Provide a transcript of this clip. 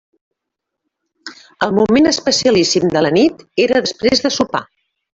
El moment especialíssim de la nit era després de sopar.